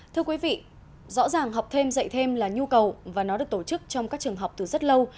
thưa quý vị rõ ràng học thêm dạy thêm là nhu cầu và nó được tổ chức trong các trường học từ rất lâu